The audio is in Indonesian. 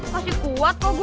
masih kuat kok gue